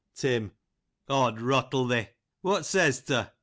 "Tun: 'Od rottle the; what says to?